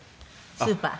スーパー。